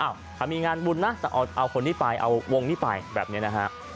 อ้าวถ้ามีงานบุญน่ะแต่เอาคนที่ไปเอาวงที่ไปแบบนี้นะครับ